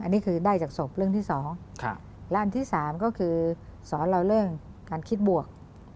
อันนี้คือได้จากศพเรื่องที่๒และอันที่๓ก็คือสอนเราเรื่องการคิดบวก